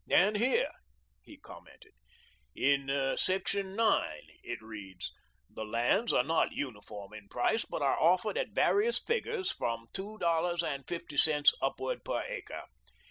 And here," he commented, "in Section IX. it reads, 'The lands are not uniform in price, but are offered at various figures from $2.50 upward per acre.